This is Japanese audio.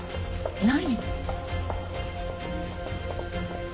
何？